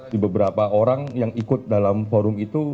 di beberapa orang yang ikut dalam forum itu